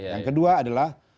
yang kedua adalah